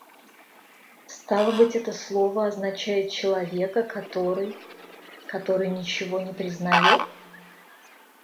Стало быть, это слово означает человека, который... который ничего не признает?